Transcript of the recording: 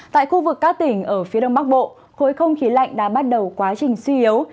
tại khu vực các tỉnh ở phía đông bắc bộ khối không khí lạnh đã bắt đầu quá trình suy yếu